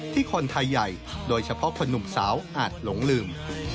คนไทยใหญ่โดยเฉพาะคนหนุ่มสาวอาจหลงลืม